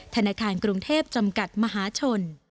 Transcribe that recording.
ธนาคารกรุงเทพจำกัดมหาชน